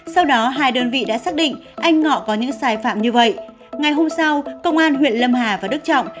sau đó hai đơn vị đã xác định anh ngọ có những sai phạm như vậy ngày hôm sau công an huyện lâm hà và đức trọng